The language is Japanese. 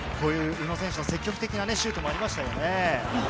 宇野選手の積極的なシュートもありましたね。